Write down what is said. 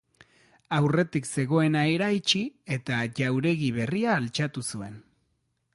Aurretik zegoena eraitsi eta jauregi berria altxatu zuen.